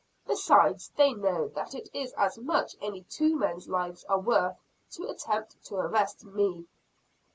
Besides they know that it is as much any two men's lives are worth to attempt to arrest me."